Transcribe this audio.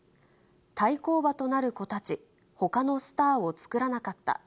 対抗馬となる子たち、ほかのスターを作らなかった。